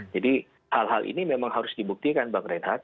jadi hal hal ini memang harus dibuktikan bang reinhardt